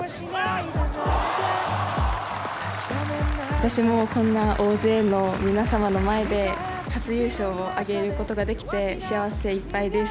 私もこんな大勢の皆様の前で初優勝を挙げることができて幸せいっぱいです。